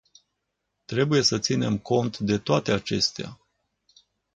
Trebuie să ținem cont de toate acestea.